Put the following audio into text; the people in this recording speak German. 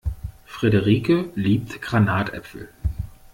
Frederike liebt Granatäpfel.